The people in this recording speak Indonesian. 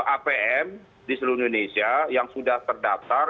apm di seluruh indonesia yang sudah terdaftar